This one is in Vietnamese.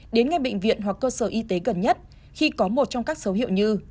đến ngay bệnh viện hoặc cơ sở y tế gần nhất khi có một trong các dấu hiệu như